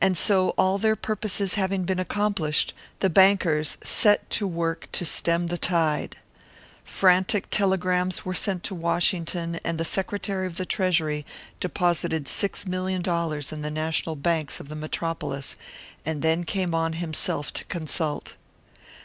And so, all their purposes having been accomplished, the bankers set to work to stem the tide. Frantic telegrams were sent to Washington, and the Secretary of the Treasury deposited six million dollars in the national banks of the Metropolis, and then came on himself to consult.